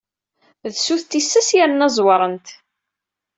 D sut tissas yerna ẓewrent.